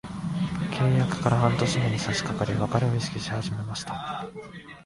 契約から半年目に差しかかり、別れを意識し始めました。